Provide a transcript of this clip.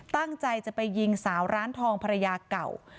ตั้งใจจะไปยิงสาวร้านทองภรรยาเก่า